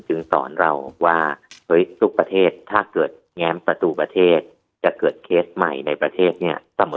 จึงสอนเราว่าหลุดประเทศท่าเกิดแง้มประตูประเทศจะเกิดเคสใหม่ในประเทศสมมติ